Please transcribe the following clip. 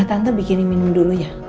tante bikinin minum dulu ya